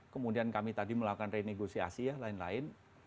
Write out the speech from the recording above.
kemudian kami tadi melakukan renegosiasi ya lain lain